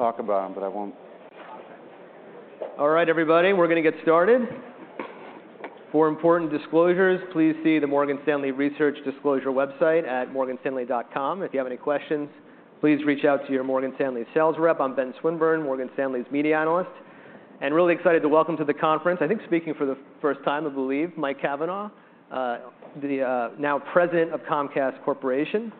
Talk about them, but I won't. All right, everybody, we're gonna get started. For important disclosures, please see the Morgan Stanley research disclosure website at morganstanley.com. If you have any questions, please reach out to your Morgan Stanley sales rep. I'm Ben Swinburne, Morgan Stanley's media analyst, really excited to welcome to the conference, I think speaking for the first time, I believe, Mike Cavanagh, the now President of Comcast Corporation.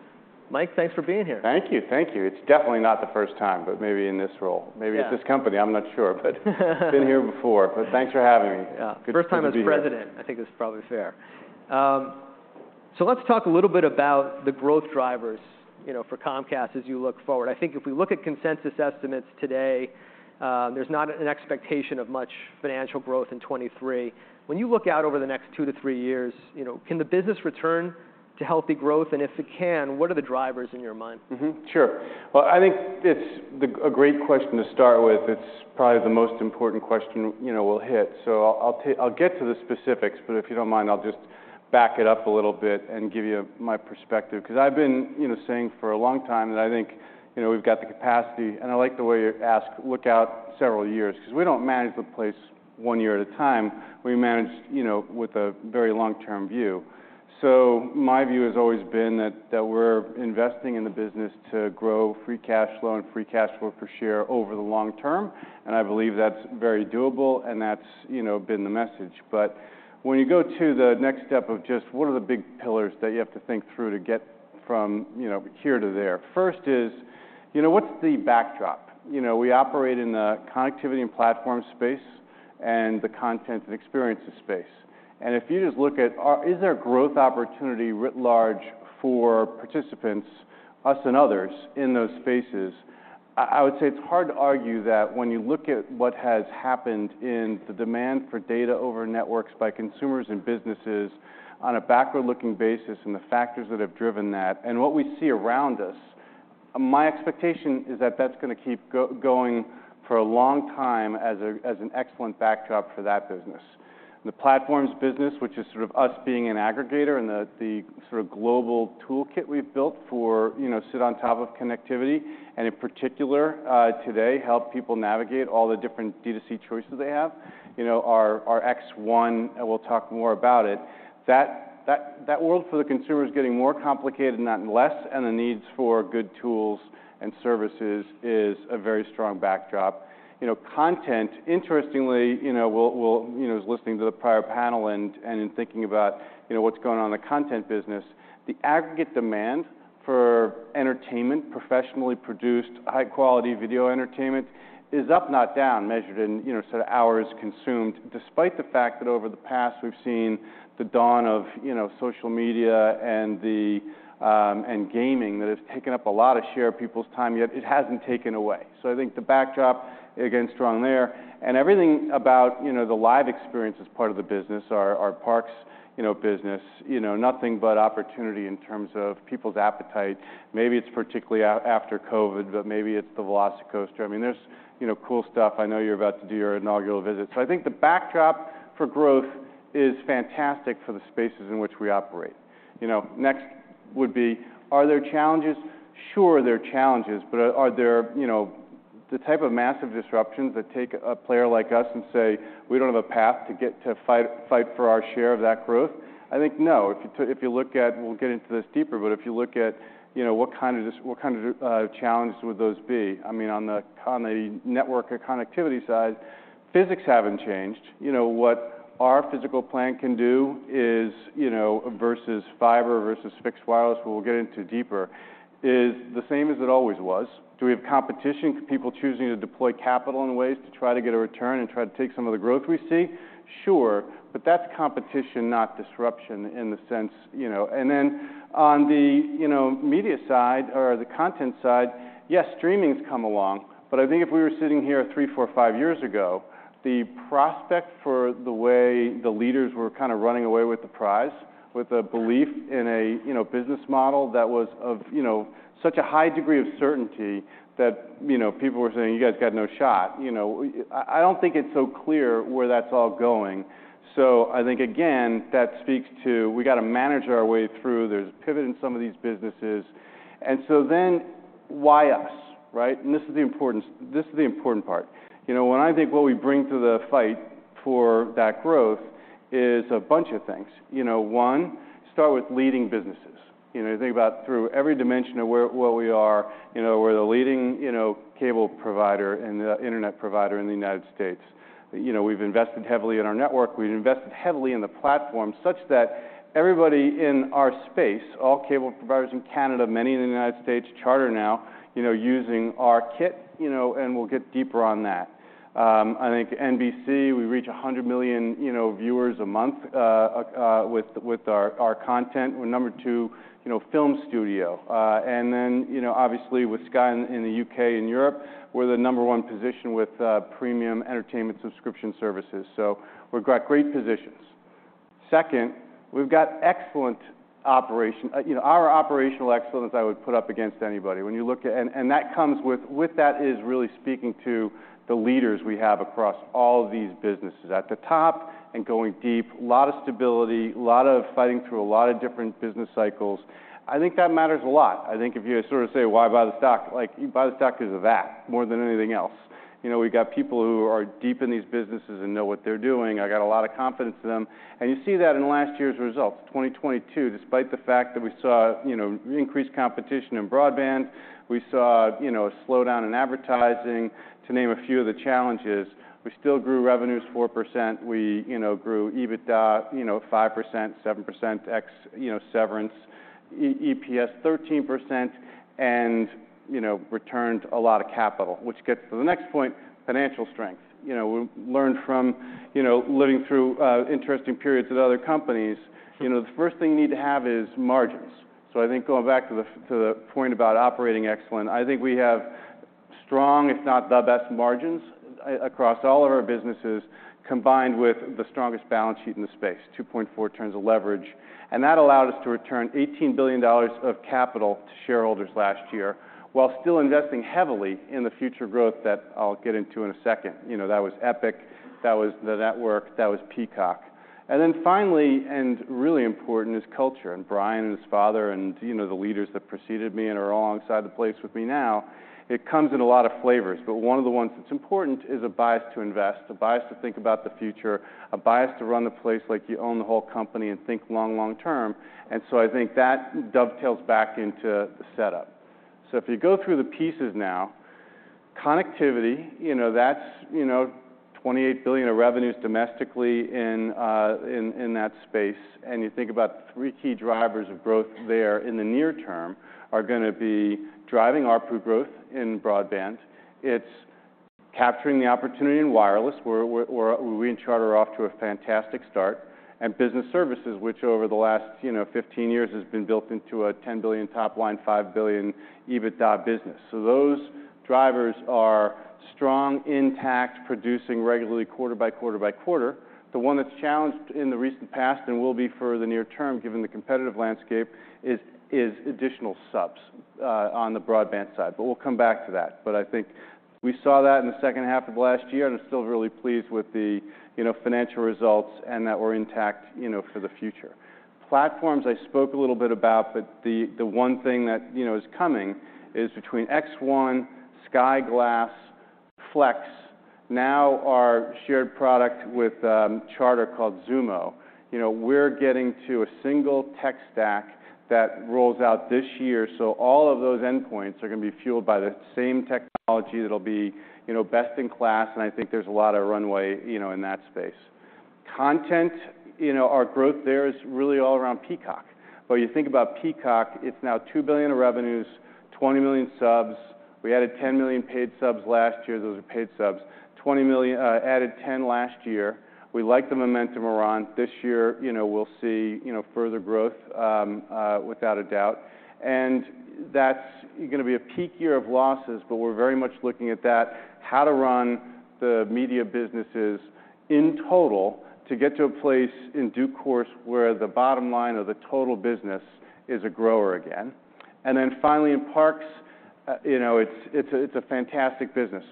Mike, thanks for being here. Thank you. Thank you. It's definitely not the first time, but maybe in this role. Yeah. Maybe at this company, I'm not sure. Been here before, but thanks for having me. Yeah. Good to be here. First time as president, I think is probably fair. Let's talk a little bit about the growth drivers, you know, for Comcast as you look forward. I think if we look at consensus estimates today, there's not an expectation of much financial growth in 2023. When you look out over the next two to three years, you know, can the business return to healthy growth? If it can, what are the drivers in your mind? Sure. I think it's a great question to start with. It's probably the most important question, you know, we'll hit. I'll get to the specifics, but if you don't mind, I'll just back it up a little bit and give you my perspective. 'Cause I've been, you know, saying for a long time that I think, you know, we've got the capacity, and I like the way you asked, look out several years, 'cause we don't manage the place one year at a time. We manage, you know, with a very long-term view. My view has always been that we're investing in the business to grow free cash flow and free cash flow per share over the long term, and I believe that's very doable, and that's, you know, been the message. When you go to the next step of just what are the big pillars that you have to think through to get from, you know, here to there, first is, you know, what's the backdrop? You know, we operate in the connectivity and platform space and the content and experiences space. If you just look at is there growth opportunity writ large for participants, us and others, in those spaces, I would say it's hard to argue that when you look at what has happened in the demand for data over networks by consumers and businesses on a backward-looking basis and the factors that have driven that and what we see around us, my expectation is that that's gonna keep going for a long time as an excellent backdrop for that business. The platforms business, which is sort of us being an aggregator and the sort of global toolkit we've built for, you know, sit on top of connectivity, and in particular, today help people navigate all the different D2C choices they have. You know, our X1, and we'll talk more about it, that world for the consumer is getting more complicated, not less, and the needs for good tools and services is a very strong backdrop. You know, content, interestingly, you know, we'll you know, was listening to the prior panel and in thinking about, you know, what's going on in the content business, the aggregate demand for entertainment, professionally produced, high-quality video entertainment is up, not down, measured in, you know, sort of hours consumed, despite the fact that over the past we've seen the dawn of, you know, social media and the and gaming that has taken up a lot of share of people's time, yet it hasn't taken away. I think the backdrop, again, strong there. Everything about, you know, the live experience as part of the business, our parks, you know, business. You know, nothing but opportunity in terms of people's appetite. Maybe it's particularly after COVID, but maybe it's the VelociCoaster. I mean, there's, you know, cool stuff. I know you're about to do your inaugural visit. I think the backdrop for growth is fantastic for the spaces in which we operate. You know, next would be, are there challenges? Sure, there are challenges, but are there, you know, the type of massive disruptions that take a player like us and say, "We don't have a path to get to fight for our share of that growth?" I think no. If you look at... We'll get into this deeper, but if you look at, you know, what kind of challenges would those be, I mean, on the network or connectivity side, physics haven't changed. You know, what our physical plan can do is, you know, versus fiber versus fixed wireless, but we'll get into deeper, is the same as it always was. Do we have competition? People choosing to deploy capital in ways to try to get a return and try to take some of the growth we see? Sure. That's competition, not disruption in the sense, you know. Then on the, you know, media side or the content side, yes, streaming's come along, but I think if we were sitting here three, four, five years ago, the prospect for the way the leaders were kinda running away with the prize, with a belief in a, you know, business model that was of, you know, such a high degree of certainty that, you know, people were saying, "You guys got no shot," you know. I don't think it's so clear where that's all going. I think, again, that speaks to we gotta manage our way through. There's pivot in some of these businesses. Why us, right? This is the importance. This is the important part. You know, when I think what we bring to the fight for that growth is a bunch of things. You know, one, start with leading businesses. You know, you think about through every dimension of where we are, you know, we're the leading, you know, cable provider and the internet provider in the United States. You know, we've invested heavily in our network. We've invested heavily in the platform, such that everybody in our space, all cable providers in Canada, many in the United States, Charter now, you know, using our kit, you know, and we'll get deeper on that. I think NBC, we reach 100 million, you know, viewers a month with our content. We're number two, you know, film studio. you know, obviously with Sky in the UK and Europe, we're the number one position with premium entertainment subscription services. We've got great positions. Second, we've got excellent operation. you know, our operational excellence I would put up against anybody. When you look at... That comes with that is really speaking to the leaders we have across all these businesses. At the top and going deep, lot of stability, lot of fighting through a lot of different business cycles. I think that matters a lot. I think if you sort of say, "Why buy the stock?" Like, you buy the stock because of that more than anything else. You know, we've got people who are deep in these businesses and know what they're doing. I got a lot of confidence in them. You see that in last year's results, 2022, despite the fact that we saw, you know, increased competition in broadband, we saw, you know, a slowdown in advertising, to name a few of the challenges. We still grew revenues 4%. We, you know, grew EBITDA, you know, 5%, 7% ex, you know, severance. EPS, 13%, and, you know, returned a lot of capital, which gets to the next point, financial strength. You know, we learned from, you know, living through interesting periods with other companies. You know, the first thing you need to have is margins. I think going back to the point about operating excellent, I think we have strong, if not the best margins across all of our businesses, combined with the strongest balance sheet in the space, 2.4 terms of leverage. That allowed us to return $18 billion of capital to shareholders last year, while still investing heavily in the future growth that I'll get into in a second. You know, that was Epic, that was the network, that was Peacock. Finally, and really important, is culture. Brian and his father and, you know, the leaders that preceded me and are all inside the place with me now, it comes in a lot of flavors, but one of the ones that's important is a bias to invest, a bias to think about the future, a bias to run the place like you own the whole company and think long, long-term. I think that dovetails back into the setup. If you go through the pieces now, connectivity, you know, that's, you know, $28 billion of revenues domestically in that space. You think about three key drivers of growth there in the near term are gonna be driving ARPU growth in broadband. It's capturing the opportunity in wireless, where we and Charter are off to a fantastic start. Business services, which over the last, you know, 15 years has been built into a $10 billion top line, $5 billion EBITDA business. Those drivers are strong, intact, producing regularly quarter by quarter by quarter. The one that's challenged in the recent past and will be for the near term, given the competitive landscape, is additional subs on the broadband side. We'll come back to that. I think we saw that in the second half of last year, and I'm still really pleased with the, you know, financial results and that we're intact, you know, for the future. Platforms I spoke a little bit about, but the one thing that, you know, is coming is between X1, Sky Glass, Flex. Now our shared product with Charter called Xumo. You know, we're getting to a single tech stack that rolls out this year, so all of those endpoints are gonna be fueled by the same technology that'll be, you know, best in class, and I think there's a lot of runway, you know, in that space. Content, you know, our growth there is really all around Peacock. When you think about Peacock, it's now $2 billion of revenues, 20 million subs. We added 10 million paid subs last year. Those are paid subs. 20 million added 10 last year. We like the momentum we're on. This year, you know, we'll see, you know, further growth without a doubt. That's gonna be a peak year of losses, but we're very much looking at that, how to run the media businesses in total to get to a place in due course where the bottom line of the total business is a grower again. Then finally in Parks, you know, it's a, it's a fantastic business.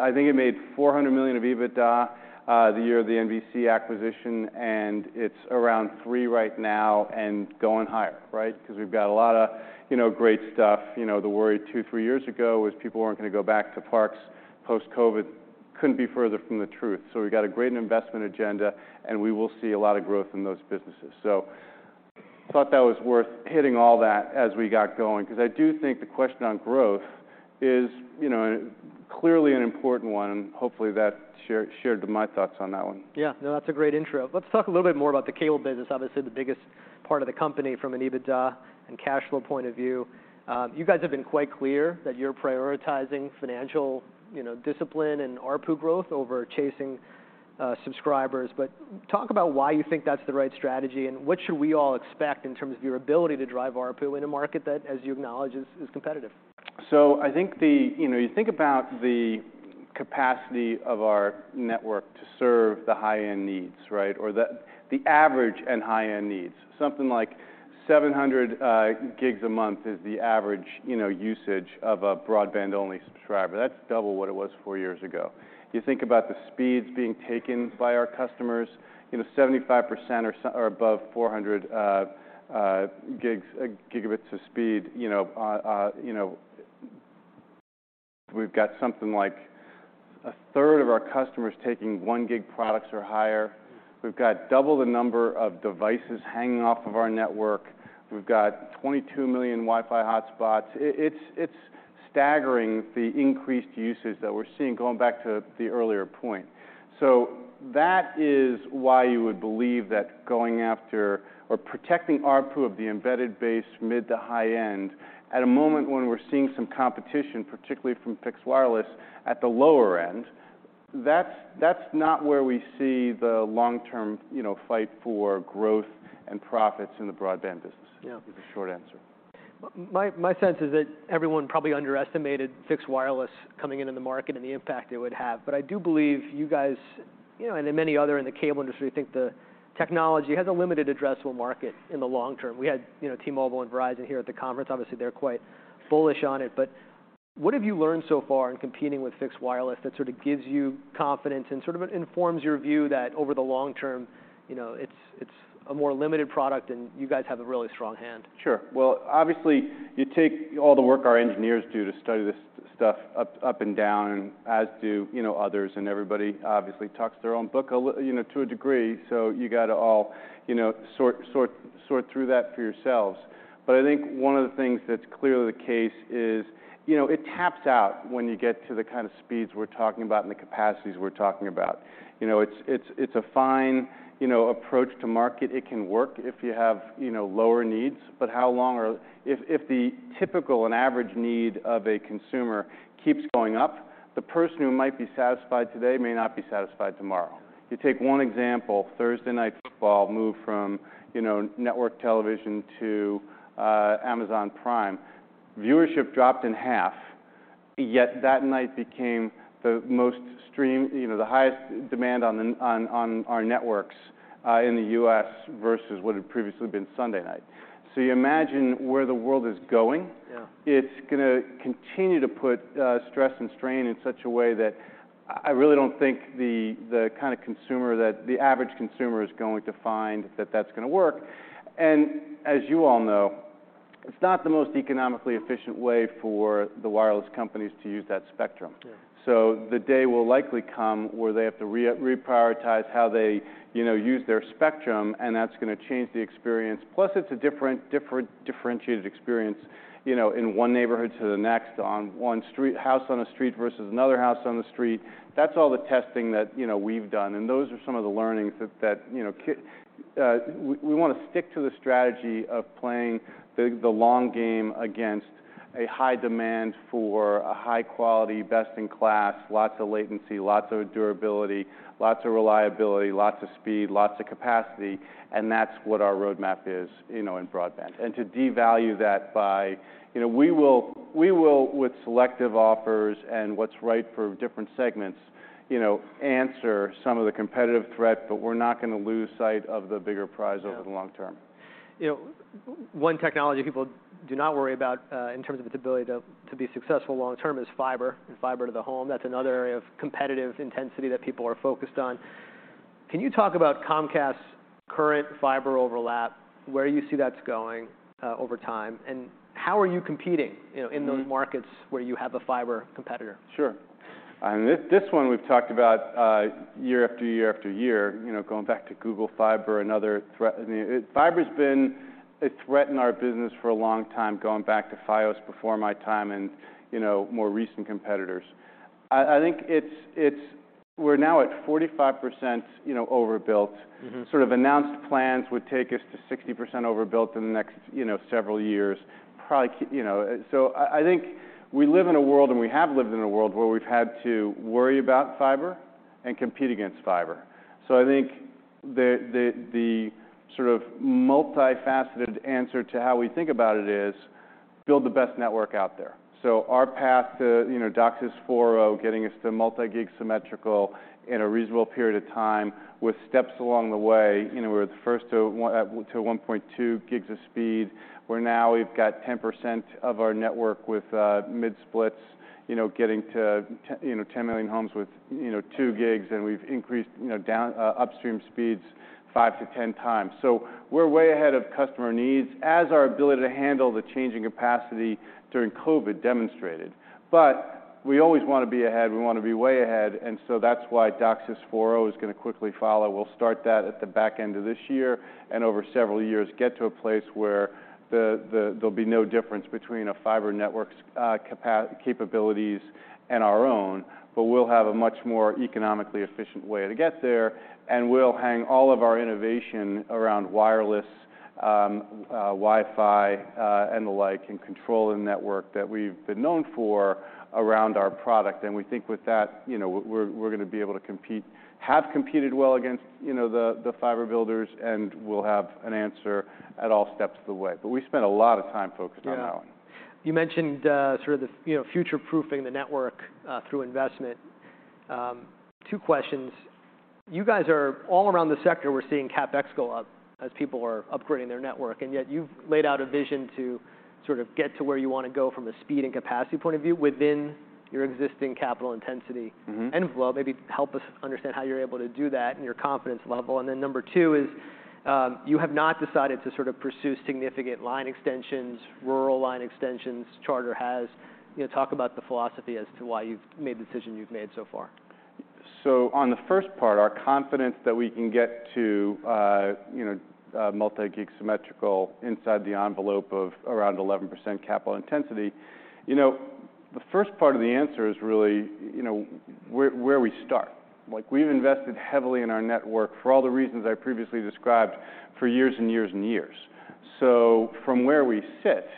I think it made $400 million of EBITDA, the year of the NBC acquisition, and it's around $3 billion right now and going higher, right? 'Cause we've got a lot of, you know, great stuff. You know, the worry two, three years ago was people weren't gonna go back to parks post-COVID. Couldn't be further from the truth. We got a great investment agenda, and we will see a lot of growth in those businesses. Thought that was worth hitting all that as we got going, 'cause I do think the question on growth is, you know, clearly an important one. Hopefully that shared my thoughts on that one. No, that's a great intro. Let's talk a little bit more about the cable business, obviously the biggest part of the company from an EBITDA and cash flow point of view. You guys have been quite clear that you're prioritizing financial, you know, discipline and ARPU growth over chasing subscribers. Talk about why you think that's the right strategy and what should we all expect in terms of your ability to drive ARPU in a market that, as you acknowledge, is competitive? I think the... You know, you think about the capacity of our network to serve the high-end needs, right? Or the average and high-end needs. Something like 700 gigs a month is the average, you know, usage of a broadband-only subscriber. That's double what it was 4 years ago. You think about the speeds being taken by our customers, you know, 75% or so or above 400 gigs, gigabits of speed. You know, we've got something like a third of our customers taking 1 gig products or higher. We've got double the number of devices hanging off of our network. We've got 22 million Wi-Fi hotspots. It's staggering, the increased usage that we're seeing, going back to the earlier point. That is why you would believe that going after or protecting ARPU of the embedded base mid to high-end at a moment when we're seeing some competition, particularly from fixed wireless at the lower end, that's not where we see the long-term, you know, fight for growth and profits in the broadband business. Yeah. Is the short answer. My sense is that everyone probably underestimated fixed wireless coming into the market and the impact it would have. I do believe you guys, you know, and many other in the cable industry, think the technology has a limited addressable market in the long term. We had, you know, T-Mobile and Verizon here at the conference. Obviously, they're quite bullish on it. What have you learned so far in competing with fixed wireless that sort of gives you confidence and sort of informs your view that over the long term, you know, it's a more limited product and you guys have a really strong hand? Sure. Obviously you take all the work our engineers do to study this stuff up and down, as do, you know, others, and everybody obviously talks their own book a li-- you know, to a degree. You gotta all, you know, sort through that for yourselves. I think one of the things that's clearly the case is, you know, it taps out when you get to the kind of speeds we're talking about and the capacities we're talking about. You know, it's, it's a fine, you know, approach to market. It can work if you have, you know, lower needs. How long are... If the typical and average need of a consumer keeps going up, the person who might be satisfied today may not be satisfied tomorrow. You take one example, Thursday Night Football moved from, you know, network television to Prime Video. Viewership dropped in half, yet that night became the most, you know, the highest demand on our networks in the U.S. versus what had previously been Sunday night. You imagine where the world is going. Yeah. It's gonna continue to put, stress and strain in such a way that I really don't think the kind of consumer that the average consumer is going to find that that's gonna work. As you all know, it's not the most economically efficient way for the wireless companies to use that spectrum. Yeah. The day will likely come where they have to reprioritize how they, you know, use their spectrum, and that's gonna change the experience. Plus, it's a differentiated experience, you know, in one neighborhood to the next, on one house on a street versus another house on the street. That's all the testing that, you know, we've done, and those are some of the learnings that, you know, we wanna stick to the strategy of playing the long game against a high demand for a high quality, best in class, lots of latency, lots of durability, lots of reliability, lots of speed, lots of capacity, and that's what our roadmap is, you know, in broadband. To devalue that by, you know. We will with selective offers and what's right for different segments, you know, answer some of the competitive threat. We're not gonna lose sight of the bigger prize over the long term. You know, one technology people do not worry about in terms of its ability to be successful long term is fiber and fiber to the home. That's another area of competitive intensity that people are focused on. Can you talk about Comcast's current fiber overlap, where you see that's going over time, and how are you competing, you know, in those markets where you have a fiber competitor? Sure. This one we've talked about, year after year after year, you know, going back to Google Fiber, another threat. I mean, fiber's been a threat in our business for a long time, going back to Fios before my time and, you know, more recent competitors. I think we're now at 45%, you know, overbuilt. Sort of announced plans would take us to 60% overbuilt in the next, you know, several years. Probably, you know. I think we live in a world, and we have lived in a world where we've had to worry about fiber and compete against fiber. I think the sort of multifaceted answer to how we think about it is build the best network out there. Our path to, you know, DOCSIS 4.0 getting us to multi-gig symmetrical in a reasonable period of time with steps along the way, you know, we're the first to 1.2 gigs of speed. We're now we've got 10% of our network with mid-splits, you know, getting to, you know, 10 million homes with, you know, 2 gigs, we've increased, you know, down upstream speeds 5 to 10 times. We're way ahead of customer needs as our ability to handle the changing capacity during COVID demonstrated. We always wanna be ahead. We wanna be way ahead, That's why DOCSIS four oh is gonna quickly follow. We'll start that at the back end of this year and over several years get to a place where there'll be no difference between a fiber network's capabilities and our own, but we'll have a much more economically efficient way to get there, and we'll hang all of our innovation around wireless, Wi-Fi, and the like, and control the network that we've been known for around our product. We think with that, you know, we're gonna be able to compete, have competed well against, you know, the fiber builders, and we'll have an answer at all steps of the way. We spend a lot of time focused on that one. Yeah. You mentioned, sort of the, you know, future-proofing the network, through investment. Two questions. All around the sector, we're seeing CapEx go up as people are upgrading their network, and yet you've laid out a vision to sort of get to where you wanna go from a speed and capacity point of view within your existing capital intensity envelope. Maybe help us understand how you're able to do that and your confidence level. Number 2 is, you have not decided to sort of pursue significant line extensions, rural line extensions. Charter has. You know, talk about the philosophy as to why you've made the decision you've made so far. On the first part, our confidence that we can get to multi-gig symmetrical inside the envelope of around 11% capital intensity, you know, the first part of the answer is really, you know, where we start. Like, we've invested heavily in our network for all the reasons I previously described for years and years and years. From where we sit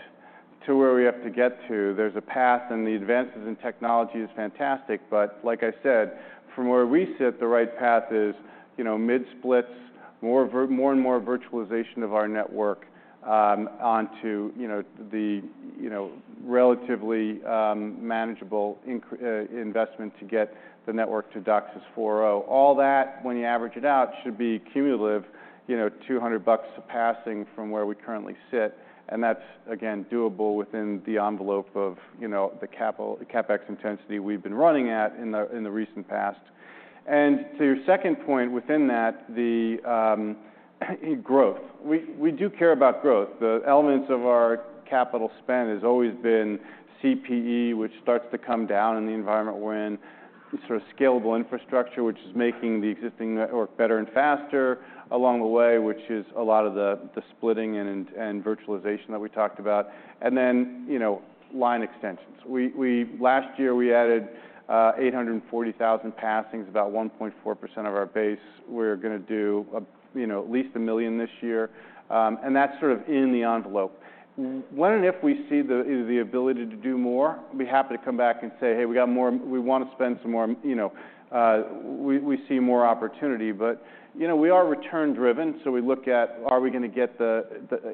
to where we have to get to, there's a path, and the advances in technology is fantastic, but like I said, from where we sit, the right path is, you know, mid-splits, more and more virtualization of our network onto the relatively manageable investment to get the network to DOCSIS 4.0. All that, when you average it out, should be cumulative, you know, $200 passing from where we currently sit, and that's, again, doable within the envelope of, you know, the capital, the CapEx intensity we've been running at in the recent past. To your second point within that, the growth. We do care about growth. The elements of our capital spend has always been CPE, which starts to come down in the environment we're in, sort of scalable infrastructure, which is making the existing network better and faster along the way, which is a lot of the splitting and virtualization that we talked about, and then, you know, line extensions. We Last year, we added 840,000 passings, about 1.4% of our base. We're gonna do up, you know, at least $1 million this year, and that's sort of in the envelope. When and if we see the ability to do more, we'll be happy to come back and say, "Hey, we wanna spend some more," you know. We see more opportunity. You know, we are return driven, so we look at, are we gonna get the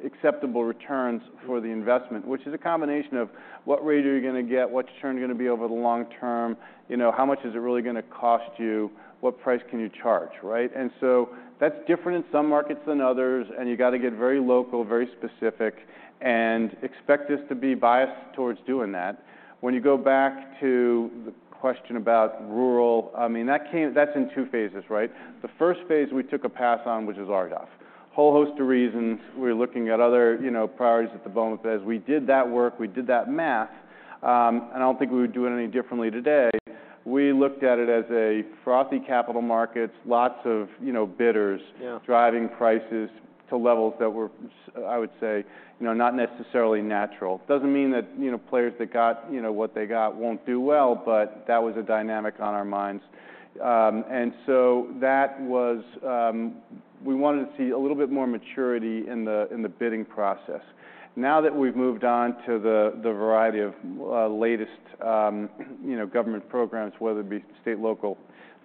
acceptable returns for the investment? Which is a combination of what rate are you gonna get? What's churn gonna be over the long term? You know, how much is it really gonna cost you? What price can you charge, right? That's different in some markets than others, and you gotta get very local, very specific, and expect us to be biased towards doing that. When you go back to the question about rural, I mean, that's in two phases, right? The first phase we took a pass on, which is RDOF. Whole host of reasons. We were looking at other, you know, priorities at the moment. As we did that work, we did that math, and I don't think we would do it any differently today. We looked at it as a frothy capital markets, lots of, you know, bidders- Yeah... driving prices to levels that were I would say, you know, not necessarily natural. Doesn't mean that, you know, players that got, you know, what they got won't do well, but that was a dynamic on our minds. That was. We wanted to see a little bit more maturity in the bidding process. Now that we've moved on to the variety of latest, you know, government programs, whether it be state, local,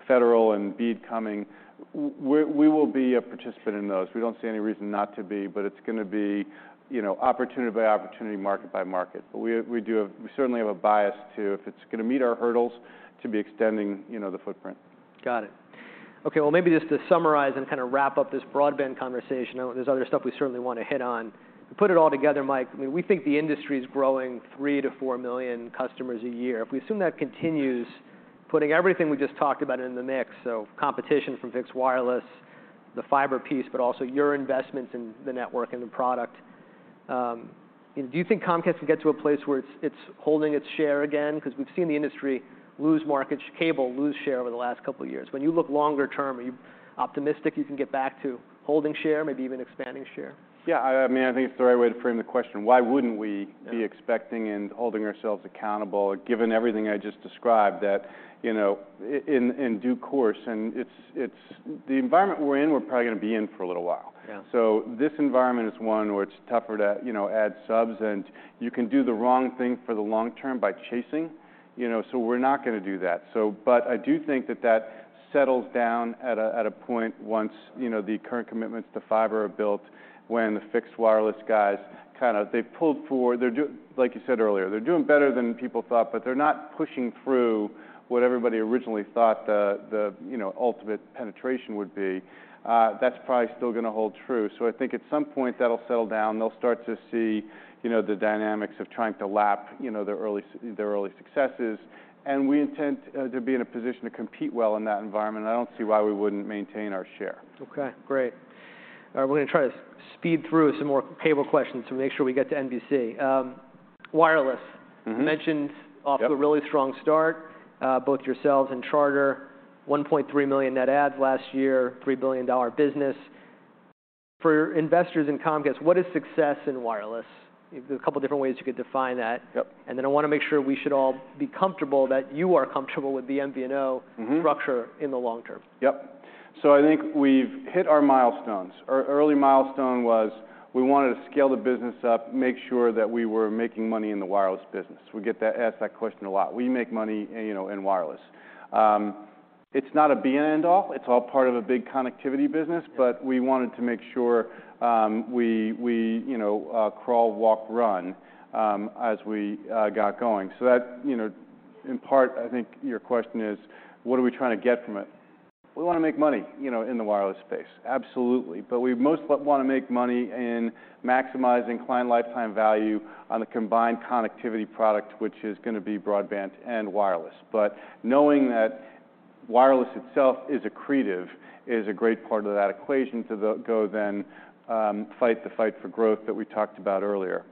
federal, and BEAD coming, we will be a participant in those. We don't see any reason not to be, but it's gonna be, you know, opportunity by opportunity, market by market. We certainly have a bias to, if it's gonna meet our hurdles, to be extending, you know, the footprint. Got it. Okay, well, maybe just to summarize and kinda wrap up this broadband conversation, there's other stuff we certainly wanna hit on. To put it all together, Mike, I mean, we think the industry is growing 3 million-4 million customers a year. If we assume that continues, putting everything we just talked about into the mix, so competition from fixed wireless, the fiber piece, but also your investments in the network and the product, do you think Comcast will get to a place where it's holding its share again? 'Cause we've seen the industry lose market cable lose share over the last couple years. When you look longer term, are you optimistic you can get back to holding share, maybe even expanding share? Yeah, I mean, I think it's the right way to frame the question. Why wouldn't we. Yeah... be expecting and holding ourselves accountable, given everything I just described that, you know, in due course, and it's. The environment we're in, we're probably gonna be in for a little while. Yeah. This environment is one where it's tougher to, you know, add subs, and you can do the wrong thing for the long term by chasing, you know. We're not gonna do that. I do think that that settles down at a, at a point once, you know, the current commitments to fiber are built, when the fixed wireless guys. They pulled forward. Like you said earlier, they're doing better than people thought, but they're not pushing through what everybody originally thought the, you know, ultimate penetration would be. That's probably still gonna hold true. I think at some point that'll settle down. They'll start to see, you know, the dynamics of trying to lap, you know, their early successes. We intend to be in a position to compete well in that environment. I don't see why we wouldn't maintain our share. Okay, great. All right, we're gonna try to speed through some more cable questions to make sure we get to NBC. Wireless. You mentioned- Yep... off to a really strong start, both yourselves and Charter. 1.3 million net adds last year, $3 billion business. For investors in Comcast, what is success in wireless? There's a couple different ways you could define that. Yep. I wanna make sure we should all be comfortable that you are comfortable with the MVNO structure in the long term. Yep. I think we've hit our milestones. Our early milestone was we wanted to scale the business up, make sure that we were making money in the wireless business. We get asked that question a lot. We make money, you know, in wireless. It's not an end all. It's all part of a big connectivity business. We wanted to make sure, you know, crawl, walk, run, as we got going. You know, in part, I think your question is what are we trying to get from it? We wanna make money, you know, in the wireless space. Absolutely. We most wanna make money in maximizing client lifetime value on a combined connectivity product, which is gonna be broadband and wireless. Knowing that wireless itself is accretive is a great part of that equation to the go then, fight the fight for growth that we talked about earlier.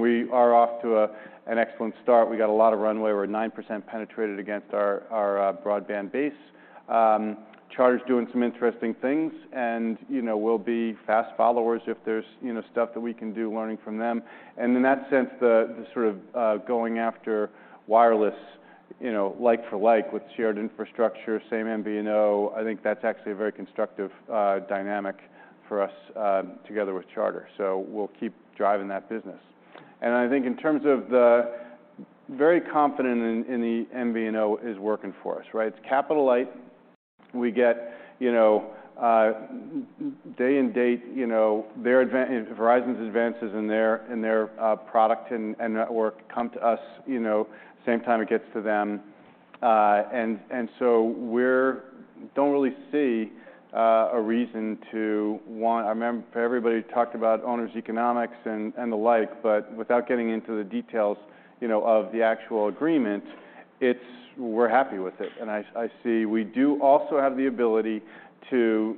We are off to a, an excellent start. We got a lot of runway. We're at 9% penetrated against our broadband base. Charter's doing some interesting things and, you know, we'll be fast followers if there's, you know, stuff that we can do learning from them. In that sense, the sort of going after wireless, you know, like for like with shared infrastructure, same MVNO, I think that's actually a very constructive dynamic for us together with Charter. We'll keep driving that business. I think in terms of Very confident in the MVNO is working for us, right? It's capital light. We get, you know, day and date, you know, their Verizon's advances in their, in their product and network come to us, you know, same time it gets to them. Don't really see a reason to want for everybody who talked about owners' economics and the like, but without getting into the details, you know, of the actual agreement, we're happy with it. I see we do also have the ability to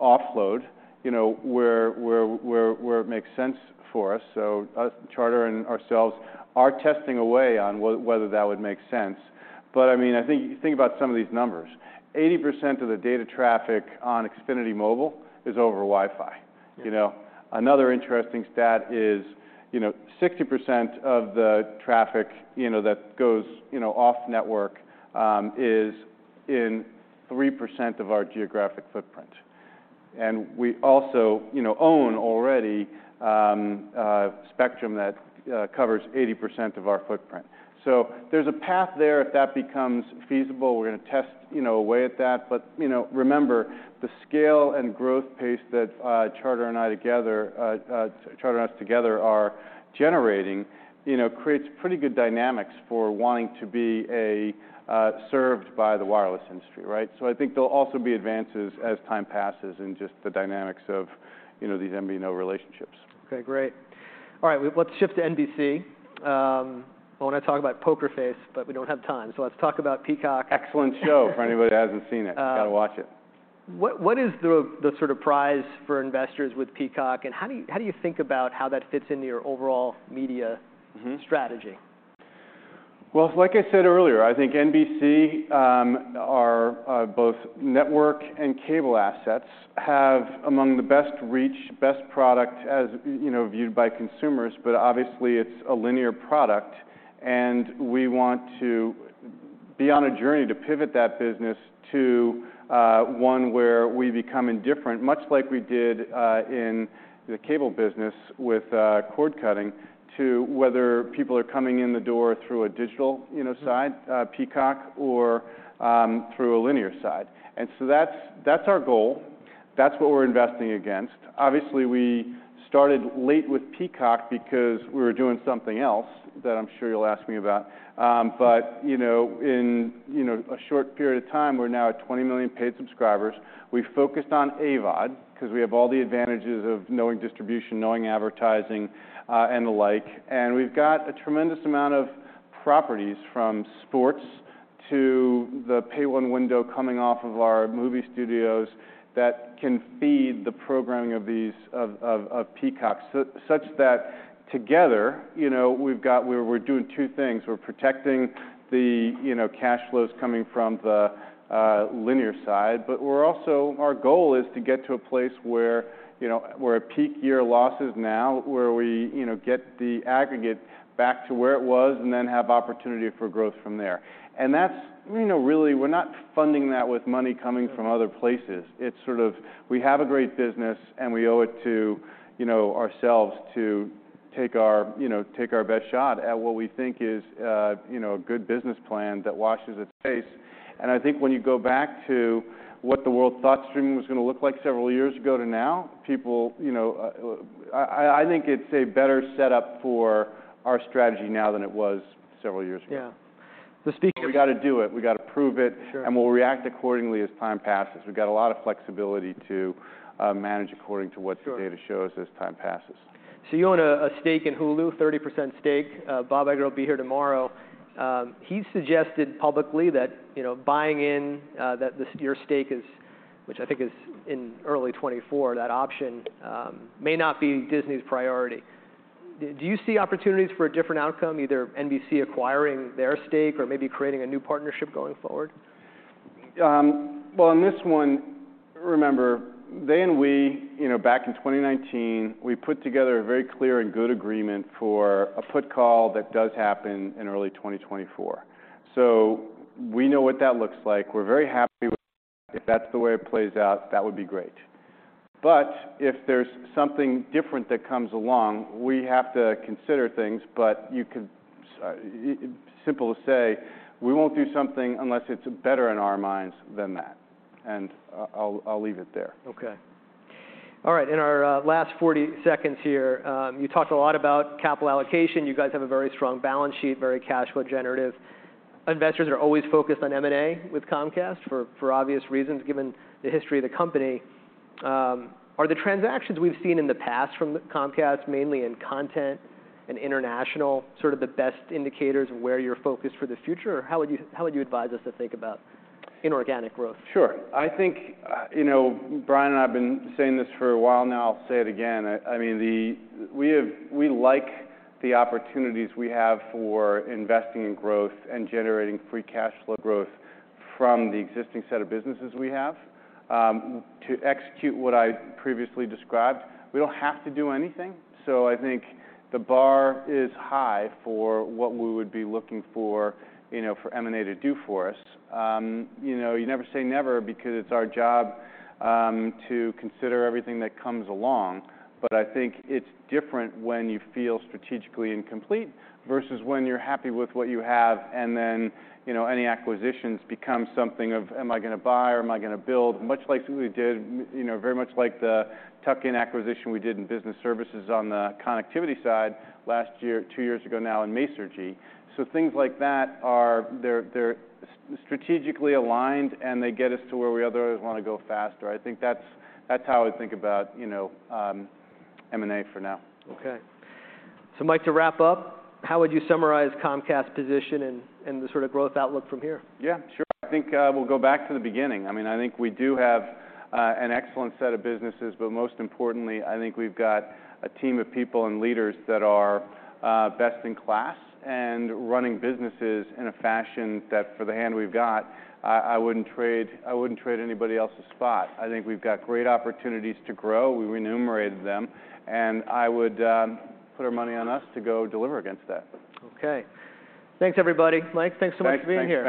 offload, you know, where it makes sense for us. Us, Charter, and ourselves are testing a way on whether that would make sense. I mean, I think you think about some of these numbers. 80% of the data traffic on Xfinity Mobile is over Wi-Fi, you know. Another interesting stat is, you know, 60% of the traffic, you know, that goes, you know, off network, is in 3% of our geographic footprint. We also, you know, own already spectrum that covers 80% of our footprint. There's a path there if that becomes feasible. We're gonna test, you know, a way at that. Remember, the scale and growth pace that Charter and us together are generating, you know, creates pretty good dynamics for wanting to be a served by the wireless industry, right? I think there'll also be advances as time passes in just the dynamics of, you know, these MVNO relationships. Okay. Great. All right. Let's shift to NBC. I wanna talk about Poker Face, but we don't have time. Let's talk about Peacock. Excellent for anybody who hasn't seen it. Gotta watch it.... what is the sort of prize for investors with Peacock, and how do you think about how that fits into your overall media strategy? Well, like I said earlier, I think NBC, our both network and cable assets have among the best reach, best product as, you know, viewed by consumers, but obviously it's a linear product. We want to be on a journey to pivot that business to one where we become indifferent, much like we did in the cable business with cord cutting, to whether people are coming in the door through a digital, you know.... side, Peacock, or through a linear side. So that's our goal. That's what we're investing against. Obviously, we started late with Peacock because we were doing something else that I'm sure you'll ask me about. You know, in, you know, a short period of time, we're now at 20 million paid subscribers. We focused on AVOD 'cause we have all the advantages of knowing distribution, knowing advertising, and the like. We've got a tremendous amount of properties from sports to the pay one window coming off of our movie studios that can feed the programming of these Peacock such that together, you know, we've got where we're doing two things. We're protecting the, you know, cash flows coming from the linear side, but we're also... our goal is to get to a place where, you know, where a peak year loss is now, where we, you know, get the aggregate back to where it was and then have opportunity for growth from there. That's, you know, really, we're not funding that with money coming from other places. It's sort of we have a great business, and we owe it to, you know, ourselves to take our, you know, take our best shot at what we think is, you know, a good business plan that washes its face. I think when you go back to what the world thought streaming was gonna look like several years ago to now, people, you know, I think it's a better setup for our strategy now than it was several years ago. Yeah. We gotta do it. We gotta prove it. Sure. We'll react accordingly as time passes. We've got a lot of flexibility to manage according to. Sure... the data shows as time passes. You own a stake in Hulu, 30% stake. Bob Iger will be here tomorrow. He suggested publicly that, you know, buying in, that this, your stake is, which I think is in early 2024, that option, may not be Disney's priority. Do you see opportunities for a different outcome, either NBC acquiring their stake or maybe creating a new partnership going forward? Well, on this one, remember they and we, you know, back in 2019, we put together a very clear and good agreement for a put call that does happen in early 2024. We know what that looks like. We're very happy with it. If that's the way it plays out, that would be great. If there's something different that comes along, we have to consider things. You can simple to say, we won't do something unless it's better in our minds than that. I'll leave it there. Okay. All right. In our last 40 seconds here, you talked a lot about capital allocation. You guys have a very strong balance sheet, very cash flow generative. Investors are always focused on M&A with Comcast for obvious reasons given the history of the company. Are the transactions we've seen in the past from Comcast, mainly in content and international, sort of the best indicators of where you're focused for the future? How would you advise us to think about inorganic growth? Sure. I think, you know, Brian and I have been saying this for a while now, I'll say it again. I mean, we like the opportunities we have for investing in growth and generating free cash flow growth from the existing set of businesses we have. To execute what I previously described, we don't have to do anything. I think the bar is high for what we would be looking for, you know, for M&A to do for us. You know, you never say never because it's our job, to consider everything that comes along. I think it's different when you feel strategically incomplete versus when you're happy with what you have and then, you know, any acquisitions become something of am I gonna buy or am I gonna build? Much like we did, you know, very much like the tuck-in acquisition we did in business services on the connectivity side last year, two years ago now in Masergy. Things like that are, they're strategically aligned, and they get us to where we otherwise wanna go faster. I think that's how I would think about, you know, M&A for now. Okay. Mike, to wrap up, how would you summarize Comcast position and the sort of growth outlook from here? Yeah. Sure. I think, we'll go back to the beginning. I mean, I think we do have, an excellent set of businesses, but most importantly, I think we've got a team of people and leaders that are, best in class and running businesses in a fashion that for the hand we've got, I wouldn't trade anybody else's spot. I think we've got great opportunities to grow. We enumerated them, and I would, put our money on us to go deliver against that. Okay. Thanks everybody. Mike, thanks so much for being here.